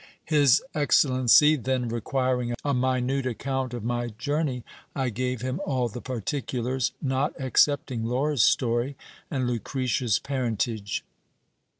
His excellency then requiring a minute account of my journey, I gave him all the particulars, not excepting Laura's story, and Lucretia's parentage.